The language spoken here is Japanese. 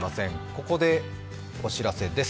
ここでお知らせです。